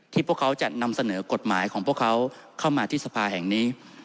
พวกเขาจะนำเสนอกฎหมายของพวกเขาเข้ามาที่สภาแห่งนี้